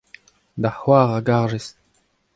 da c'hoar a garjes.